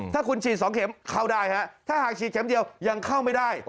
ถ้าคุณฉีด๒เข็มเข้าได้ฮะถ้าหากฉีดเข็มเดียวยังเข้าไม่ได้